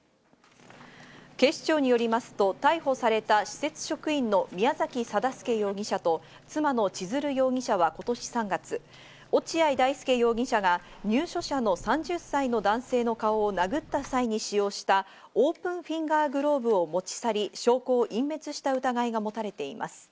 警視庁によりますと、逮捕された施設職員の宮崎定助容疑者と妻の千鶴容疑者は今年３月、落合大丞容疑者が入所者の３０歳の男性の顔を殴った際に使用したオープンフィンガーグローブを持ち去り、証拠を隠滅した疑いが持たれています。